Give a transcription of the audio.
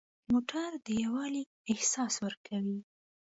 موټر د یووالي احساس ورکوي.